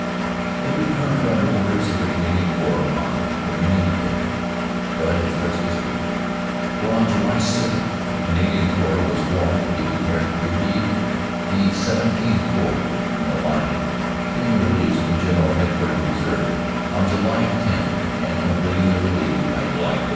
It returned under orders of the Canadian Corps on Domin ion Day, but its rest was brief, for on July 6 the Canadian Corps was warned to be prepared to relieve the XVII Corps in the line, being released from G. H. Q. Reserve on July 10 and completing the relief by July 15.